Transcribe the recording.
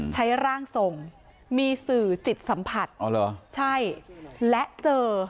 ใช้ร่างสงฆ์มีสื่อจิตสัมผัสและเจอ